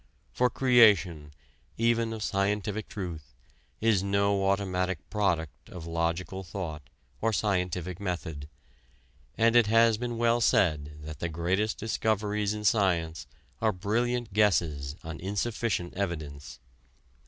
For creation, even of scientific truth, is no automatic product of logical thought or scientific method, and it has been well said that the greatest discoveries in science are brilliant guesses on insufficient evidence.